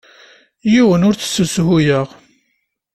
Yiwen ur t-ssezhuyeɣ.